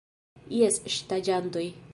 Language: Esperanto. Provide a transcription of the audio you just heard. Jes ŝtaĝantoj...